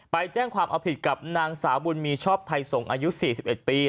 ไปแจ้งความเอาผิดกับนางสาวบุญมีชอบไทยส่งอายุ๔๑ปี